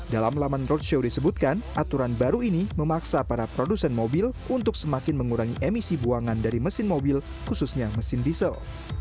dalam laman roadshow disebutkan aturan baru ini memaksa para produsen mobil untuk semakin mengurangi emisi buangan dari mesin mobil khususnya mesin diesel